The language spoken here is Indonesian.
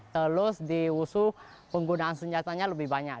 terus di wushu penggunaan senjatanya lebih banyak